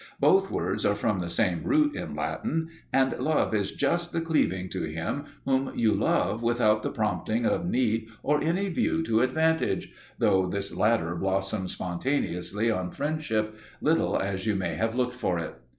Both words are from the same root in Latin; and love is just the cleaving to him whom you love without the prompting of need or any view to advantage though this latter blossoms spontaneously on friendship, little as you may have looked for it.